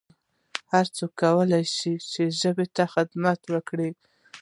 هرڅوک کولای سي چي ژبي ته خدمت وکړي